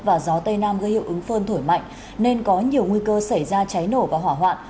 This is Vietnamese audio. và gió tây nam gây hiệu ứng phơn thổi mạnh nên có nhiều nguy cơ xảy ra cháy nổ và hỏa hoạn